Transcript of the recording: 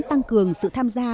tăng cường sự tham gia